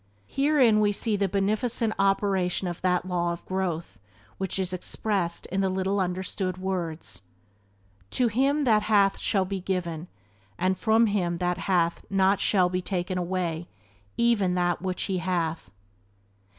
Herein we see the beneficent operation of that law of growth which is expressed in the little understood words: "To him that hath shall be given, and from him that hath not shall be taken away even that which he hath."